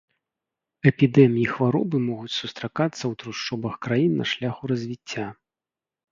Эпідэміі хваробы могуць сустракацца ў трушчобах краін на шляху развіцця.